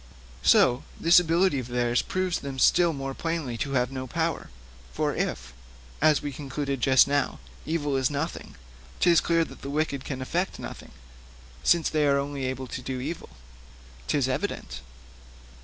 So this ability of theirs proves them still more plainly to have no power. For if, as we concluded just now, evil is nothing, 'tis clear that the wicked can effect nothing, since they are only able to do evil.' ''Tis evident.'